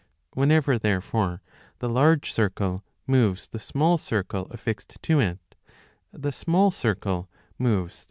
Whenever, therefore, the large circle moves the small circle affixed to it, the small circle moves the same distance 1 856 a 10.